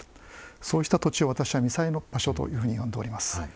そうした土地を私は「未災」の場所というふうに呼んでいます。